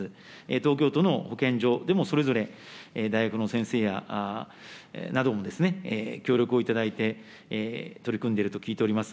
東京都の保健所でも、それぞれ大学の先生や、なども協力をいただいて、取り組んでいると聞いております。